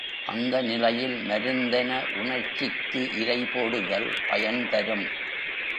அந்த நிலையில் மருந்தென உணர்ச்சிக்கு இரை போடுதல் பயன்தரும்.